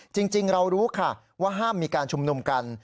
จริงเรารู้ค่ะว่าห้ามมีการชุมนุมกัน